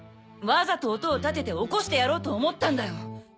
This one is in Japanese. わざと音を立てて起こしてやろうと思ったんだよ！